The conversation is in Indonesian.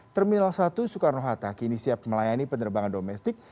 terminal satu soekarno hatta kini siap melayani penerbangan domestik